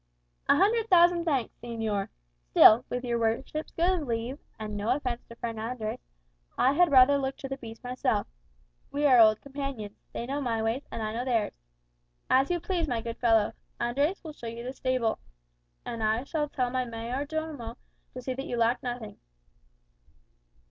"A hundred thousand thanks, señor. Still, with your worship's good leave, and no offence to friend Andres, I had rather look to the beasts myself. We are old companions; they know my ways, and I know theirs." "As you please, my good fellow. Andres will show you the stable, and I shall tell my mayor domo to see that you lack nothing."